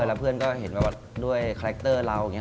แล้วเพื่อนก็เห็นว่าด้วยคาแรคเตอร์เราอย่างนี้